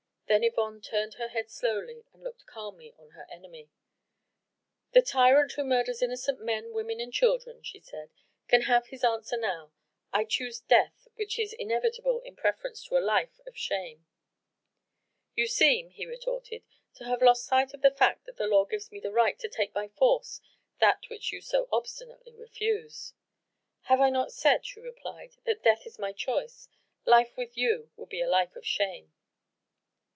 Then Yvonne turned her head slowly and looked calmly on her enemy. "The tyrant who murders innocent men, women and children," she said, "can have his answer now. I choose death which is inevitable in preference to a life of shame." "You seem," he retorted, "to have lost sight of the fact that the law gives me the right to take by force that which you so obstinately refuse." "Have I not said," she replied, "that death is my choice? Life with you would be a life of shame."